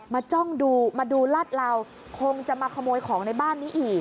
จ้องดูมาดูลาดเหลาคงจะมาขโมยของในบ้านนี้อีก